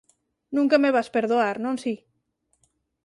Nunca me vas perdoar, non si?